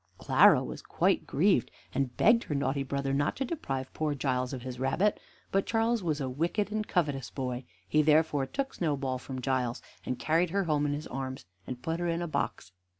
Clara was quite grieved, and begged her naughty brother not to deprive poor Giles of his rabbit; but Charles was a wicked and covetous boy; he therefore took Snowball from Giles, and carried her home in his arms, and put her in a box.